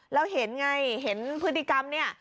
แล้วเห็นไงเห็นพฤติกรรมเนี่ย